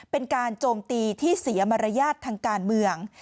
เป็นการโจมตีที่เสียมารยาททางการเมือง